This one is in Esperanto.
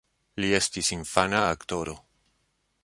Li estis infana aktoro.